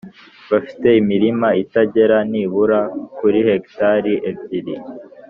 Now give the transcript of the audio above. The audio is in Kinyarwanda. bafite imirima itagera nibura kuri hegitari ebyiri